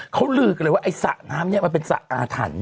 เขารืกเลยว่าสะน้ำนี่เป็นสะอาถัน